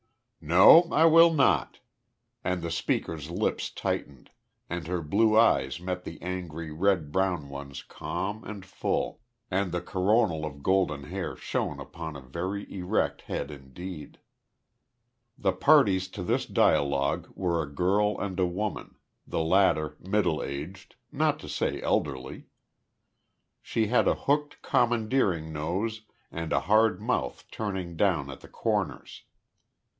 "No, I will not." And the speaker's lips tightened, and her blue eyes met the angry red brown ones calm and full, and the coronal of golden hair shone upon a very erect head indeed. The parties to this dialogue were a girl and a woman, the latter middle aged, not to say elderly. She had a hooked, commandeering nose and a hard mouth turning down at the corners.